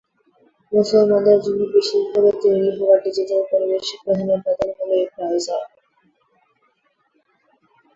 মুসলমানদের জন্য বিশেষ ভাবে তৈরি হওয়া ডিজিটাল পরিবেশের প্রধান উপাদান হলো এই ব্রাউজার।